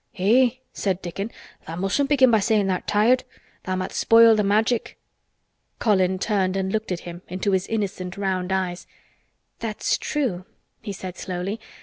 "Eh!" said Dickon, "tha' mustn't begin by sayin' tha'rt tired. Tha' might spoil th' Magic." Colin turned and looked at him—into his innocent round eyes. "That's true," he said slowly.